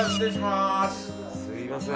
すみません。